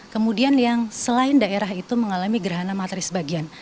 kemudian yang selain daerah itu mengalami gerhana matahari sebagian